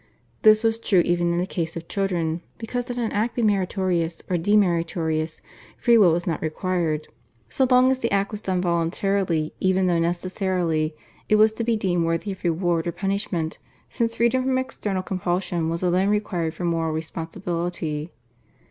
This was true even in case of children, because that an act be meritorious or demeritorious Free will was not required. So long as the act was done voluntarily even though necessarily, it was to be deemed worthy of reward or punishment, since freedom from external compulsion was alone required for moral responsibility.